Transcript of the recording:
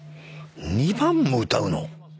２番も歌うの？